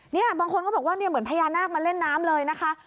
บางคนก็บอกว่าเนี่ยเหมือนพญานาคมาเล่นน้ำเลยนะคะ